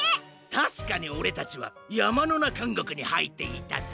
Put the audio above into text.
たしかにオレたちはやまのなかんごくにはいっていたぜ。